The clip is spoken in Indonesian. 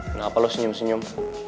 kenapa lo senyum senyum